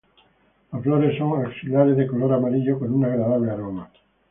Las flores son axilares de color amarillo con un agradable aroma.